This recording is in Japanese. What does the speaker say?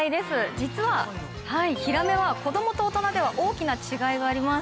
実はヒラメは子供と大人では大きな違いがあります。